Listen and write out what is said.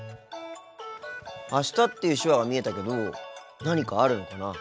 「あした」っていう手話が見えたけど何かあるのかな？